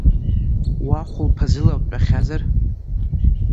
Уа хәылԥазыла бтәахьазар…